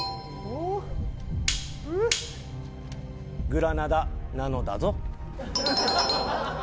グラナダなのだぞ。